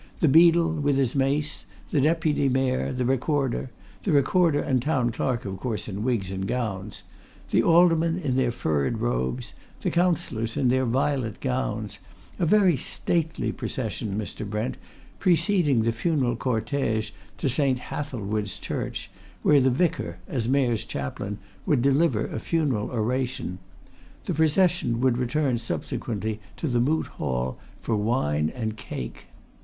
"The beadle with his mace; the Deputy Mayor; the Recorder the Recorder and Town Clerk, of course, in wigs and gowns the Aldermen in their furred robes; the Councillors in their violet gowns a very stately procession, Mr. Brent, preceding the funeral cortège to St. Hathelswide's Church, where the Vicar, as Mayor's Chaplain, would deliver a funeral oration. The procession would return subsequently to the Moot Hall, for wine and cake."